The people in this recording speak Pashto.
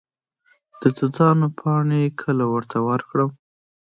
د توتانو پاڼې کله ورته ورکړم؟